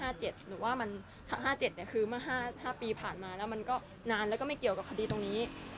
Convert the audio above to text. ๕๗เนี่ยว่า๕ปีผ่านมาแล้วมันก็นานและก็ไม่เกี่ยวตรงนี้